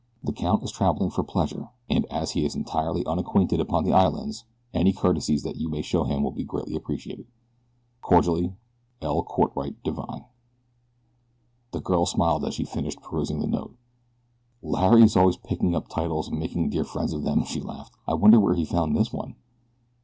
The count is traveling for pleasure, and as he is entirely unacquainted upon the islands any courtesies which you may show him will be greatly appreciated. Cordially, L. CORTWRITE DIVINE. The girl smiled as she finished perusing the note. "Larry is always picking up titles and making dear friends of them," she laughed. "I wonder where he found this one."